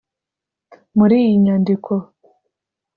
”Muri iyi nyandiko